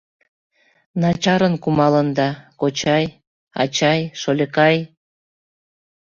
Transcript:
Начарын кумалында, кочай, ачай, шольыкай!